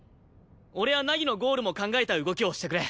俺や凪のゴールも考えた動きをしてくれ。